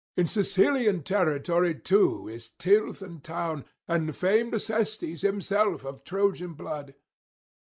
In Sicilian territory too is tilth and town, and famed Acestes himself of Trojan blood.